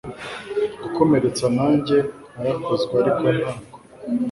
gukomeretsa nanjye narakozwe ariko ntabwo